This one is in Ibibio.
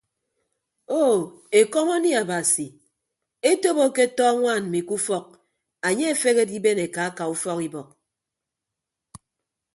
Oo ekọm anie abasi etop aketọ añwaan mmi ke ufọk anye afehe adiben eka aka ufọk ibọk.